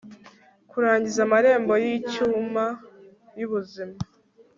kurangiza amarembo yicyuma yubuzima